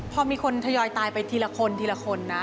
พอมีคนเทยอยตายไปทีละคนนะ